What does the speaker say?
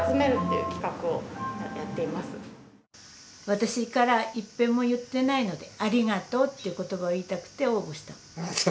私からいっぺんも言ってないのでありがとうっていうことばを言いたくて応募したの。